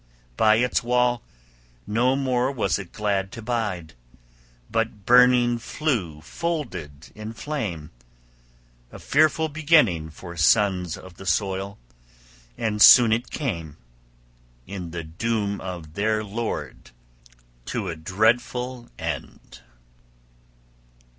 By its wall no more was it glad to bide, but burning flew folded in flame: a fearful beginning for sons of the soil; and soon it came, in the doom of their lord, to a dreadful end.